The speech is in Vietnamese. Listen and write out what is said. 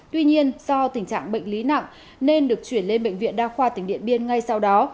tuy nhiên do tình trạng bệnh lý nặng nên được chuyển lên bệnh viện đa khoa tỉnh điện biên ngay sau đó